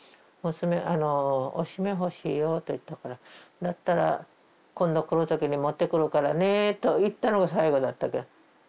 「おしめ欲しいよ」と言ったから「だったら今度来る時に持ってくるからね」と言ったのが最後だったけど。